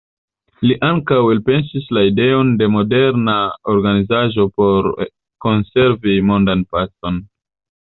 Li ankaŭ elpensis la ideon de moderna organizaĵo por konservi mondan pacon.